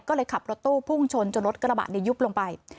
ก็เลยขับรถตู้พุ่งชนจนรถกระบะยุบลงไป